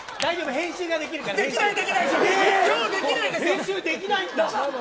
編集できないんだ？